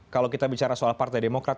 kalau kita bicara soal partai demokrat